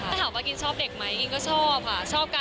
ถ้าถามว่ากินชอบเด็กไหมกินก็ชอบค่ะชอบกัน